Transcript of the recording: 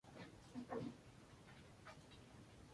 Mr. Pickwick had taken a few strides to and fro.